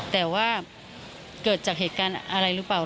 แต่ว่าเกิดจากเหตุการณ์อะไรหรือเปล่า